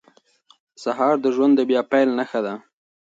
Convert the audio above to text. سهار د ژوند د بیا پیل نښه ده.